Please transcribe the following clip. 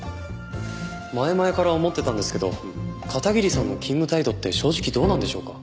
前々から思ってたんですけど片桐さんの勤務態度って正直どうなんでしょうか？